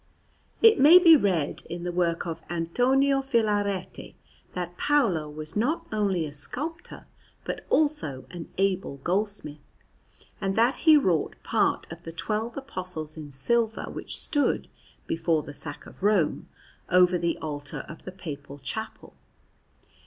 It may be read in the work of Antonio Filarete that Paolo was not only a sculptor but also an able goldsmith, and that he wrought part of the twelve Apostles in silver which stood, before the sack of Rome, over the altar of the Papal Chapel.